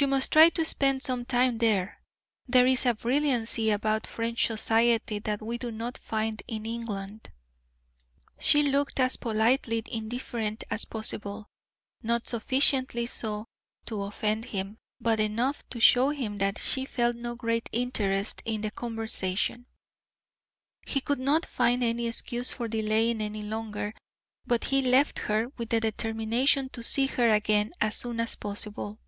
"You must try to spend some time there; there is a brilliancy about French society that we do not find in England." She looked as politely indifferent as possible, not sufficiently so to offend him, but enough to show him that she felt no great interest in the conversation. He could not find any excuse for delaying any longer, but he left her with the determination to see her again as soon as possible.